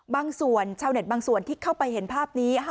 บางส่วนชาวเน็ตบางส่วนที่เข้าไปเห็นภาพนี้